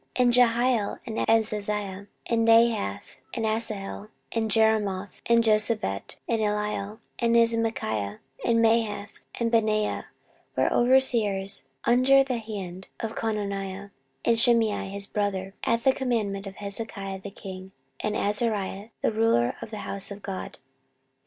14:031:013 And Jehiel, and Azaziah, and Nahath, and Asahel, and Jerimoth, and Jozabad, and Eliel, and Ismachiah, and Mahath, and Benaiah, were overseers under the hand of Cononiah and Shimei his brother, at the commandment of Hezekiah the king, and Azariah the ruler of the house of God.